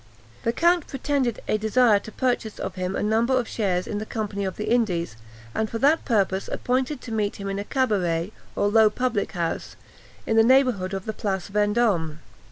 The count pretended a desire to purchase of him a number of shares in the Company of the Indies, and for that purpose appointed to meet him in a cabaret, or low public house, in the neighbourhood of the Place Vendôme.